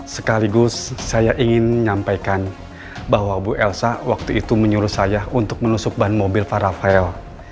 sekaligus saya ingin menyampaikan bahwa bu elsa waktu itu menyuruh saya untuk menusuk ban mobil parafale